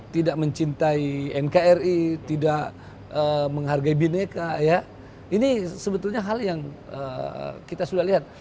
tidak mencintai nkri tidak menghargai bineka ya ini sebetulnya hal yang kita sudah lihat